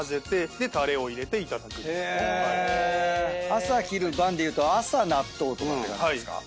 朝昼晩でいうと朝納豆とかって感じですか？